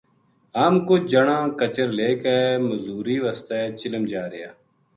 ہم کُج جنا کچر لے کے مزوری واسطے چلم جا رہیا